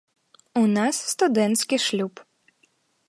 У нас студэнцкі шлюб.